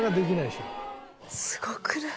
すごくない！？